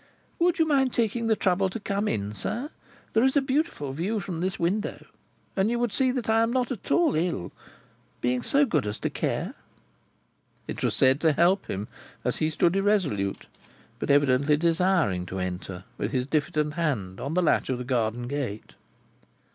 "Would you mind taking the trouble to come in, sir? There is a beautiful view from this window. And you would see that I am not at all ill—being so good as to care." It was said to help him, as he stood irresolute, but evidently desiring to enter, with his diffident hand on the latch of the garden gate.